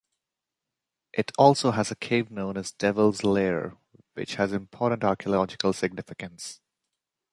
It also has the cave known as Devil's Lair which has important archaeological significance.